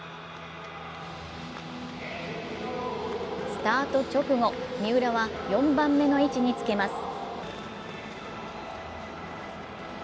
スタート直後、三浦は４番目の位置につけます。